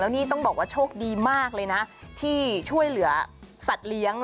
นี่ต้องบอกว่าโชคดีมากเลยนะที่ช่วยเหลือสัตว์เลี้ยง